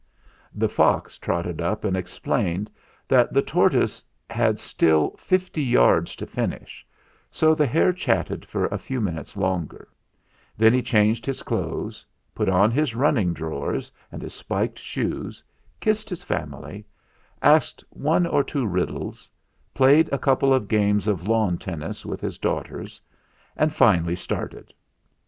"The fox trotted up and explained that the tortoise had still fifty yards to finish, so the hare chatted for a few minutes longer ; then he changed his clothes, put on his running draw THE ZAGABOG'S STORY 149 ers and his spiked shoes, kissed his family, asked one or two riddles, played a couple of games of lawn tennis with his daughters, and finally started.